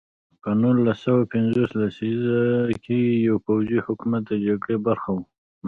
په نولس سوه پنځوس لسیزه کې پوځي حکومت د جګړې برخه وه.